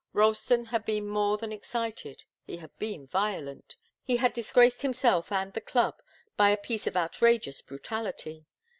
Ralston had been more than excited. He had been violent. He had disgraced himself and the club by a piece of outrageous brutality.